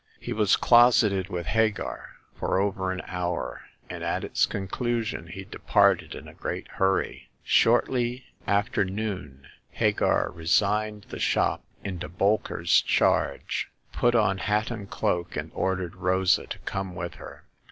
He was closeted with Hagar for The Second Customer. 77 over an hour, and at its conclusion he departed in a great hurry. Shortly after noon Hagar resigned the shop into Bolker*s charge, put on hat and cloak, and ordered Rosa to come with her.